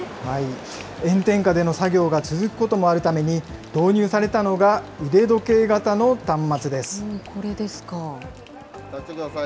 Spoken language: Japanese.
炎天下での作業が続くこともあるために、導入されたのが腕時これですか。